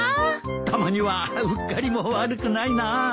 たまにはうっかりも悪くないなぁ。